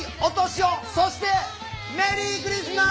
そしてメリークリスマス！